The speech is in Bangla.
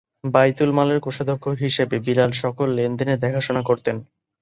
বায়তুল মালের কোষাধ্যক্ষ হিসেবে বিলাল সকল লেনদেনের দেখাশোনা করতেন।